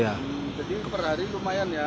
jadi per hari lumayan ya